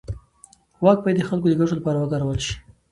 واک باید د خلکو د ګټو لپاره وکارول شي.